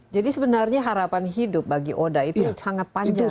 jadi sebenarnya harapan hidup bagi oda itu sangat panjang ya